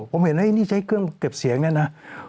ผมเห็นนี่ใช้เครื่องเก็บเสียงเนี่ยนะ